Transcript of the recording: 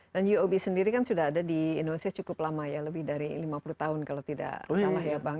dan uob sendiri kan sudah ada di indonesia cukup lama ya lebih dari lima puluh tahun kalau tidak salah ya bang